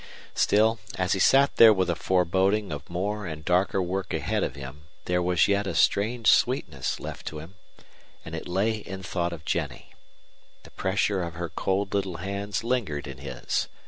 Still, as he sat there with a foreboding of more and darker work ahead of him there was yet a strange sweetness left to him, and it lay in thought of Jennie. The pressure of her cold little hands lingered in his.